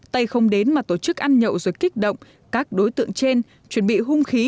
tây không đến mà tổ chức ăn nhậu ruột kích động các đối tượng trên chuẩn bị hung khí